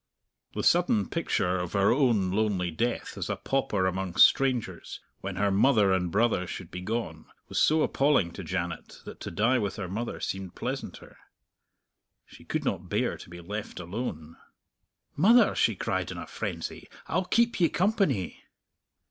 The sudden picture of her own lonely death as a pauper among strangers, when her mother and brother should be gone, was so appalling to Janet that to die with her mother seemed pleasanter. She could not bear to be left alone. "Mother," she cried in a frenzy, "I'll keep ye company!"